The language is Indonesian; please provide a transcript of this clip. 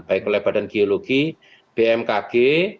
baik pelebatan geologi bmkg